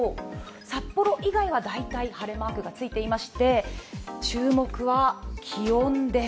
札幌以外は大体晴れマークがついていまして注目は気温です。